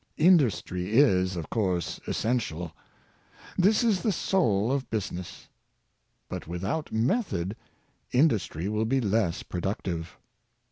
Industry is, of course, essential. This is the soul of business. But without method, industry will be less productive.